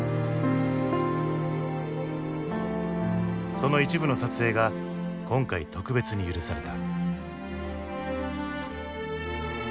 その一部の撮影が今回特別に許された。